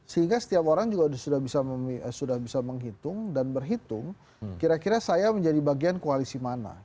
sehingga setiap orang juga sudah bisa menghitung dan berhitung kira kira saya menjadi bagian koalisi mana